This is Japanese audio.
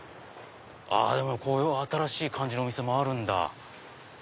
あでもこういう新しい感じのお店もあるんだ。